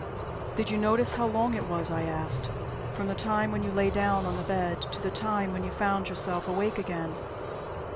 "Did you notice how long it was," I asked, "from the time when you lay down on the bed to the time when you found yourself awake again?"